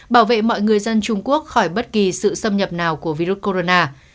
bảo vệ mọi người dân trung quốc khỏi bất kỳ sự xâm nhập nào của virus corona